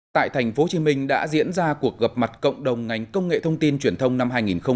tại tp hcm đã diễn ra cuộc gặp mặt cộng đồng ngành công nghệ thông tin truyền thông năm hai nghìn một mươi chín